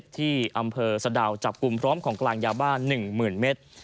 ที่อำเภอสะดาวจับกลุ่มพร้อมของกลางยาบ้า๑๐๐๐เมตร